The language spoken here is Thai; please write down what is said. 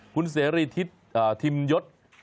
คุณเสรีทิศทิมยศ